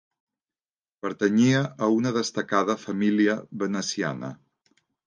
Pertanyia a una destacada família veneciana.